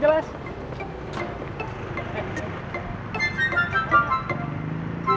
terus lu mau ngapain